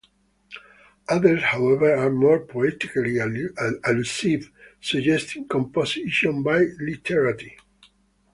Others, however, are more poetically allusive, suggesting composition by literati.